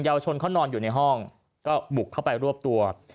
ยาวชนเขานอนอยู่ในห้องก็บุกเข้าไปรวบตัว